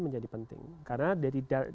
menjadi penting karena dari